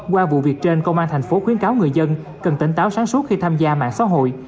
qua vụ việc trên công an thành phố khuyến cáo người dân cần tỉnh táo sáng suốt khi tham gia mạng xã hội